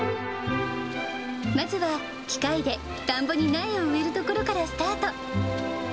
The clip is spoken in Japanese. まずは、機械で田んぼに苗を植えるところからスタート。